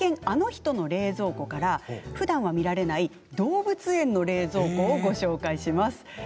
あの人の冷蔵庫」からふだんは見られない動物園の冷蔵庫をご紹介します。